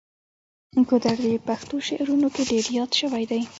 ګودر د پښتو شعرونو کې ډیر یاد شوی دی.